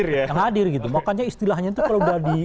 menghadir gitu makanya istilahnya itu kalau